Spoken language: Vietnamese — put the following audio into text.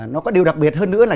nó có điều đặc biệt hơn nữa là